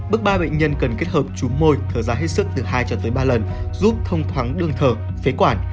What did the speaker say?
bước ba bệnh nhân cần kết hợp trúng môi thở ra hết sức từ hai ba lần giúp thông thoáng đường thở phế quản